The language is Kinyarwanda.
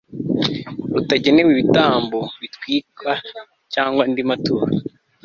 rutagenewe ibitambo bitwikwa cyangwa andi maturo